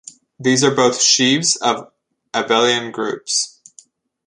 These are both sheaves of abelian groups.